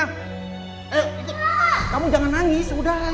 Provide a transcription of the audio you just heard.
eh kamu jangan nangis udah ayo